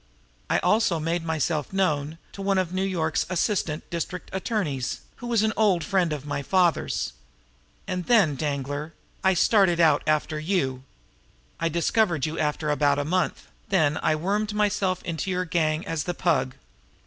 I also made myself known to one of New York's assistant district attorneys, who was an old friend of my father's. And then, Danglar, I started out after you. "I discovered you after about a month; then I wormed myself into your gang as the Pug.